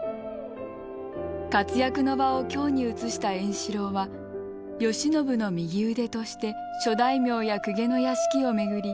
活躍の場を京に移した円四郎は慶喜の右腕として諸大名や公家の屋敷を巡り